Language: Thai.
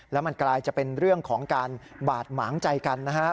แล้วมันกลายจะเป็นเรื่องของการบาดหมางใจกันนะฮะ